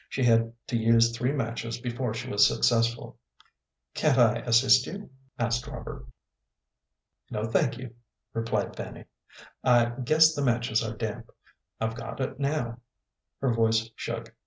She had to use three matches before she was successful. "Can't I assist you?" asked Robert. "No, thank you," replied Fanny; "I guess the matches are damp. I've got it now." Her voice shook.